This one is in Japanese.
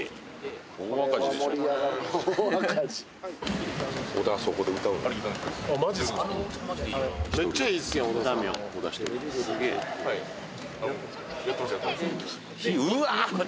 大赤字でしょ、これ。